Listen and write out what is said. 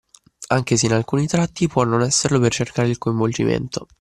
Anche se in alcuni tratti può non esserlo per cercare il coinvolgimento.